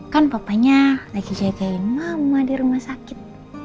kan papanya lagi jagain mama di rumah sakit